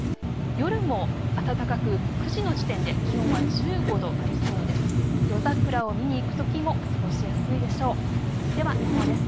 夜も暖かく９時の時点で気温は１５度ありそうです。